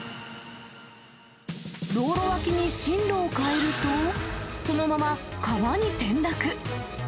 道路脇に進路を変えると、そのまま川に転落。